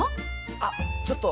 あっ、ちょっと。